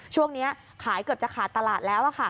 ช่วงนี้ขายเกือบจะขาดตลาดแล้ว